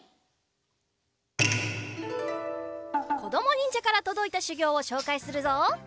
こどもにんじゃからとどいたしゅぎょうをしょうかいするぞ！